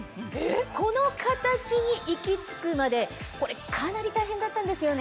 この形に行き着くまでこれかなり大変だったんですよね。